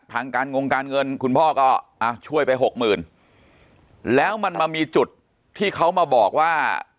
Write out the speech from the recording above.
ทางการงงการเงินคุณพ่อก็อ่ะช่วยไปหกหมื่นแล้วมันมามีจุดที่เขามาบอกว่า